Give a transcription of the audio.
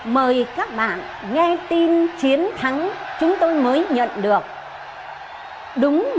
mời các bạn nghe tin chiến thắng